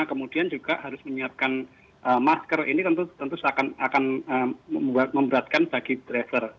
kemudian juga harus menyiapkan masker ini tentu akan memberatkan bagi driver